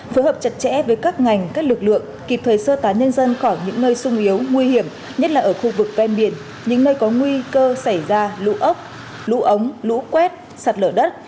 phối hợp chặt chẽ với các ngành các lực lượng kịp thời sơ tá nhân dân khỏi những nơi sung yếu nguy hiểm nhất là ở khu vực ven biển những nơi có nguy cơ xảy ra lũ ốc lũ ống lũ quét sạt lở đất